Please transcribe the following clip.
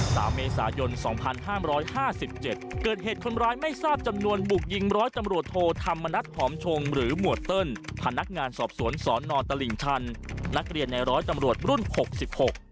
สามเมษายนสองพันห้ามร้อยห้าสิบเจ็ดเกิดเหตุคนร้ายไม่ทราบจำนวนบุกยิงร้อยตำรวจโทธรรมนัฐหอมชงหรือหมวดเติ้ลพนักงานสอบสวนสอนอตลิ่งชันนักเรียนในร้อยตำรวจรุ่นหกสิบหก